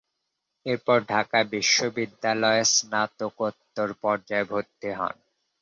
এরপর ঢাকা বিশ্ববিদ্যালয়ে স্নাতকোত্তর পর্যায়ে ভর্তি হন।